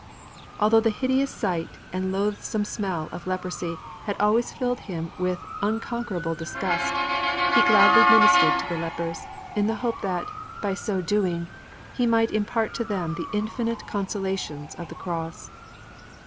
Although the hideous sight and loathsome smell of leprosy had always filled him with unconquerable disgust, he gladly ministered to the lepers, in the hope that, by so doing, he might impart to them the infinite consolations of the Cross.